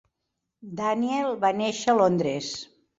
Daniel va néixer a Londres.